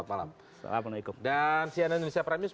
assalamualaikum dan cnn indonesia prime news